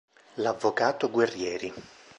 L'avvocato Guerrieri